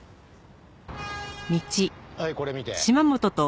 はいこれ見て。